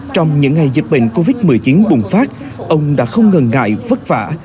trong những ngày dịch bệnh covid một mươi chín bùng phát ông đã không ngần ngại vất vả